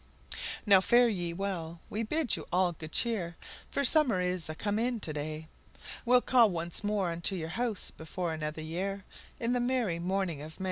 Now fare ye well, we bid you all good cheer, For summer is a come in to day, We'll call once more unto your house before another year, In the merry morning of May!